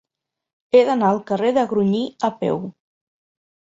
He d'anar al carrer de Grunyí a peu.